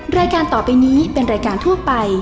รายการต่อไปนี้เป็นรายการทั่วไป